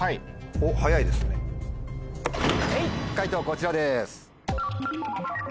解答こちらです。